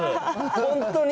本当に。